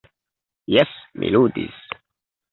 Jes, mi ludis.